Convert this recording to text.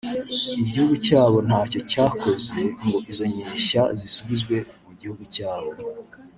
igihugu cyabo ntacyo cyakoze ngo izo nyeshya zisubizwe mu gihugu cyabo